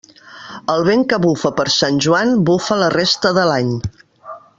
El vent que bufa per Sant Joan, bufa la resta de l'any.